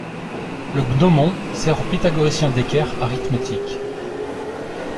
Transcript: Le gnomon sert aux pythagoriciens d'équerre arithmétique.